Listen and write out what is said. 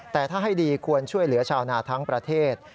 แต่ถ้าให้ดีควรช่วยเหลือชาวนาทั้งประเทศ